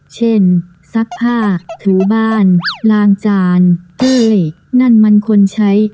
ซักผ้าถูบ้านล้างจานเอ้ยนั่นมันคนใช้